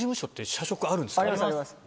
ありますあります。